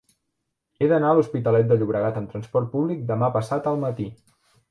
He d'anar a l'Hospitalet de Llobregat amb trasport públic demà passat al matí.